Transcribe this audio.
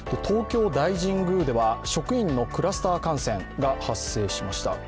東京大神宮では職員のクラスター感染が確認されました。